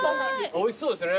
おいしそうですね。